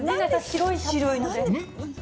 白いので。